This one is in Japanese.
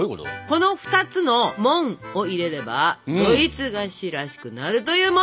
この２つの「モン」を入れればドイツ菓子らしくなるというモン。